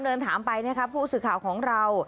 เดินถามไปนะครับผู้สื่อข่าวของเรา